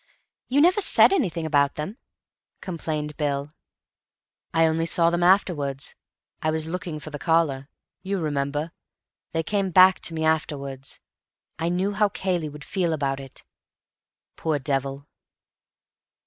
"You never said anything about them," complained Bill. "I only saw them afterwards. I was looking for the collar, you remember. They came back to me afterwards; I knew how Cayley would feel about it.... Poor devil!"